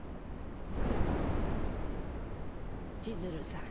千鶴さん。